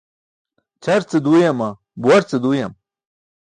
Ćʰar ce duuyama, buwar ce duuyam?